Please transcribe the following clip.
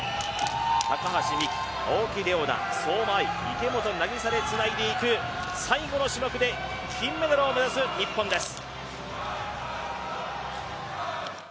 高橋美紀、青木玲緒樹、相馬あい池本凪沙でつないでいく最後の種目で金メダルを目指す日本です。